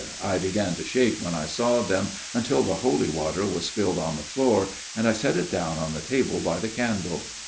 I began to shake when I saw them until the holy water was spilled on the floor, and I set it down on the table by the candle.